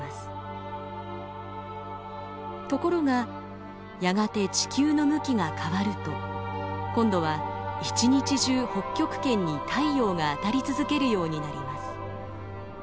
ところがやがて地球の向きが変わると今度は一日中北極圏に太陽が当たり続けるようになります。